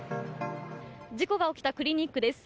事故が起きたクリニックです。